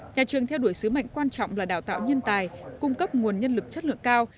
nhà trường theo đuổi sứ mệnh quan trọng là đào tạo nhân tài cung cấp nguồn nhân lực chất lượng cao